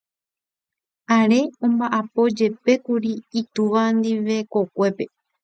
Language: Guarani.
Are omba'apojepékuri itúva ndive kokuépe.